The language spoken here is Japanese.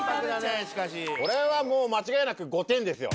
これはもう間違いなく５点ですよ。